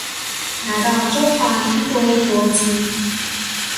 拿到中華民國國籍